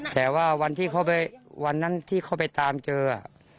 แต่ว่าวันที่เขาไปวันนั้นที่เขาไปตามเจอ